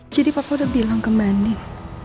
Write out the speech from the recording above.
jadi bapak udah bilang ke manin